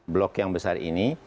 blok yang besar ini